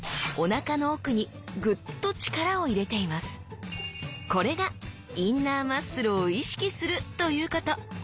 この時これが「インナーマッスルを意識する！」ということ。